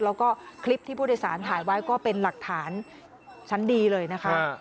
แล้วก็คลิปที่ผู้โดยสารถ่ายไว้ก็เป็นหลักฐานชั้นดีเลยนะคะ